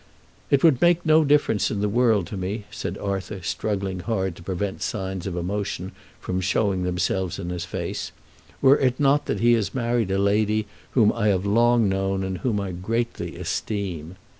"It would make no difference in the world to me," said Arthur, struggling hard to prevent signs of emotion from showing themselves in his face, "were it not that he has married a lady whom I have long known and whom I greatly esteem."